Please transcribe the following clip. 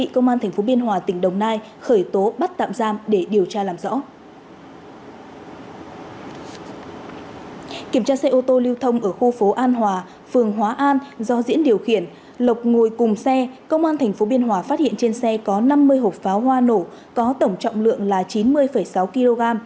công an tp biên hòa phát hiện trên xe có năm mươi hộp pháo hoa nổ có tổng trọng lượng là chín mươi sáu kg